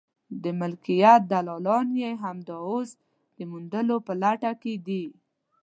د ملکیت دلالان یې همدا اوس د موندلو په لټه کې دي.